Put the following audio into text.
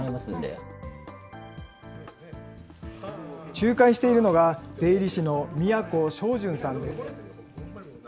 仲介しているのが、税理士の都鍾洵さんです。